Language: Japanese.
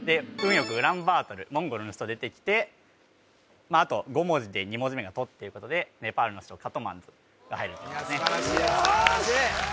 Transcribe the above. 良くウランバートルモンゴルの首都出てきてあと５文字で２文字目が「ト」っていうことでネパールの首都カトマンズが入るってことですねよし！